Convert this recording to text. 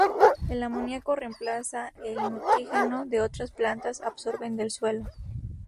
El amoniaco reemplaza el nitrógeno que otras plantas absorben del suelo.